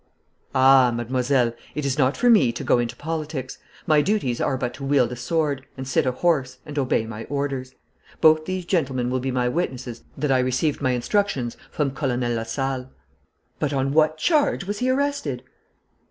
'Ah, mademoiselle, it is not for me to go into politics. My duties are but to wield a sword, and sit a horse, and obey my orders. Both these gentlemen will be my witnesses that I received my instructions from Colonel Lasalle.' 'But on what charge was he arrested?'